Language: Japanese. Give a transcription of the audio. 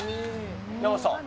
山本さん。